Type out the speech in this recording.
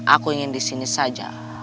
aku ingin disini saja